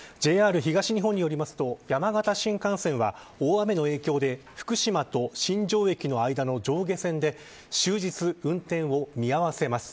ＪＲ東日本によりますと山形新幹線は大雨の影響で福島と新庄駅の上下線で終日、運転を見合わせます。